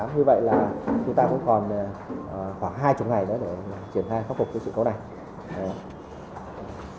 như vậy là chúng ta cũng còn khoảng hai mươi ngày nữa để triển khai khắc phục cái sự cố này